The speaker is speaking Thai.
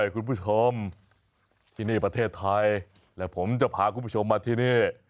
คุณผู้ชมที่นี่ประเทศไทยและผมจะพาคุณผู้ชมมาที่นี่